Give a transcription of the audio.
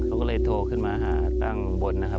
เขาก็เลยโทรขึ้นมาหาตั้งบนนะครับ